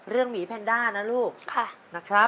เรื่องหมีแพนด้านะลูก